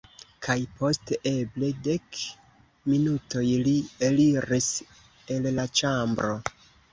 Kaj post eble dek minutoj, li eliris el la ĉambro.